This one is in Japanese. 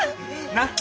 なっ？